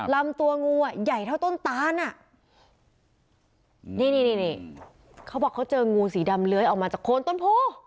ลำตัวงูอ่ะใหญ่เท่าต้นตานอ่ะนี่นี่เขาบอกเขาเจองูสีดำเลื้อยออกมาจากโคนต้นโพ